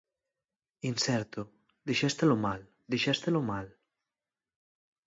Inserto: 'Dixéstelo mal, dixéstelo mal.'